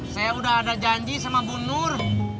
saya udah ada janji sama bu nur